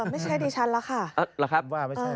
ไม่ใช่ดิฉันแล้วค่ะ